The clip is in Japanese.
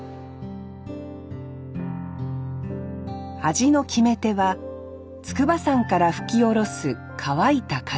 味の決め手は筑波山から吹き降ろす乾いた風。